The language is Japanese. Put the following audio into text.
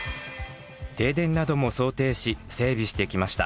停電なども想定し整備してきました。